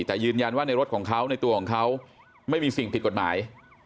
แต่ยืนยันว่าในรถของเขาในตัวของเขาไม่มีสิ่งผิดกฎหมาย